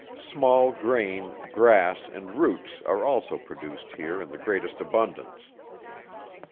Small grain, grass, and roots are also produced here in the greatest abundance.